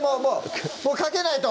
もうかけないと！